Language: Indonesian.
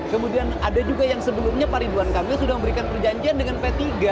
kemudian ada juga yang sebelumnya pak ridwan kamil sudah memberikan perjanjian dengan p tiga